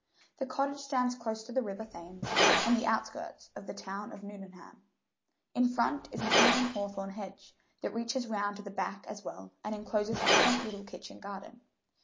The cottage stands close to the river Thames, on the outskirts of the town of Nuneham. In front is an even hawthorn hedge, that reaches round to the back as well, and encloses a quaint little kitchen garden.